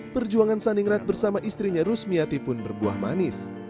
perjuangan saningrat bersama istrinya rusmiati pun berbuah manis